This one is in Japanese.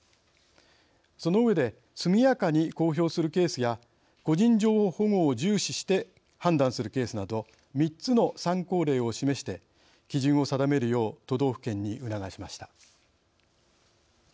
その上で速やかに公表するケースや個人情報保護を重視して判断するケースなど３つの参考例を示して基準を定めるよう都道府県に促しました。